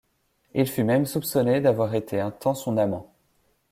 Il fut même soupçonné d'avoir été un temps son amant.